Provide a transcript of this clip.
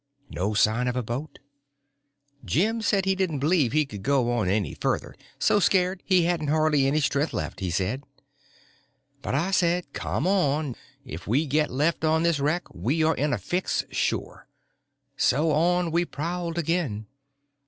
No sign of a boat. Jim said he didn't believe he could go any further—so scared he hadn't hardly any strength left, he said. But I said, come on, if we get left on this wreck we are in a fix, sure. So on we prowled again.